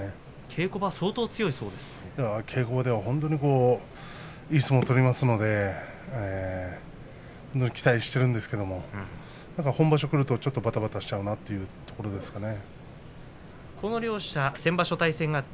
稽古場では本当にいい相撲を取りますので期待してるんですけれども本場所くるとちょっとばたばたしちゃうのっていうところですかね。